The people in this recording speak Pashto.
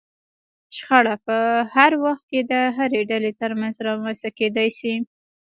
شخړه په هر وخت کې د هرې ډلې ترمنځ رامنځته کېدای شي.